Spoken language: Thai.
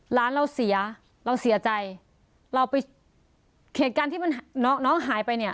ร้านเราเสียเราเสียใจเราไปเหตุการณ์ที่มันน้องน้องหายไปเนี่ย